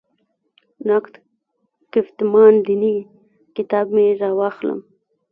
«نقد ګفتمان دیني» کتاب مې راواخلم.